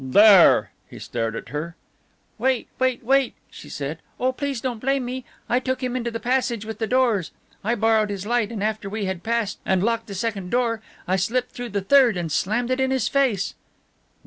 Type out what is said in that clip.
"There!" he stared at her. "Wait, wait, wait!" she said, "oh, please don't blame me! I took him into the passage with the doors. I borrowed his light, and after we had passed and locked the second door I slipped through the third and slammed it in his face."